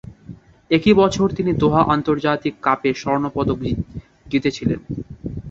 একই বছর তিনি দোহা আন্তর্জাতিক কাপে স্বর্ণ পদক জিতেছিলেন।